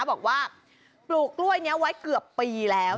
บอกว่าปลูกกล้วยนี้ไว้เกือบปีแล้ว